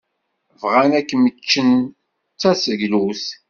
Bɣan ad kem-ččen d taseglut.